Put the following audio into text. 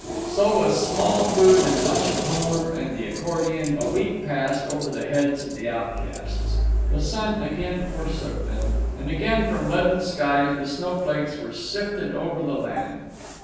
So with small food and much of Homer and the accordion, a week passed over the heads of the outcasts. The sun again forsook them, and again from leaden skies the snowflakes were sifted over the land.